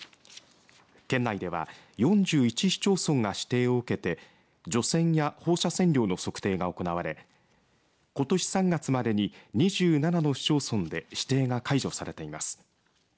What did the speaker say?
県内では４１市町村が指定を受けて除染や放射線量の測定が行われことし３月までに２７の市町村で指定が解除されています。